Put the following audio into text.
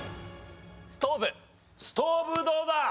ストーブどうだ？